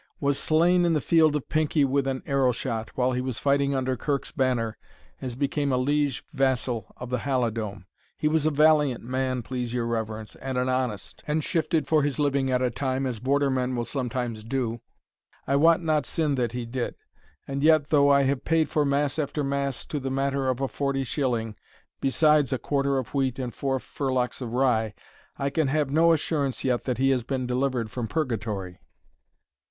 was slain in the field of Pinkie with an arrow shot, while he was fighting under the Kirk's banner, as became a liege vassal of the Halidome. He was a valiant man, please your reverence, and an honest; and saving that he loved a bit of venison, and shifted for his living at a time as Border men will sometimes do, I wot not of sin that he did. And yet, though I have paid for mass after mass to the matter of a forty shilling, besides a quarter of wheat and four firlocks of rye, I can have no assurance yet that he has been delivered from purgatory."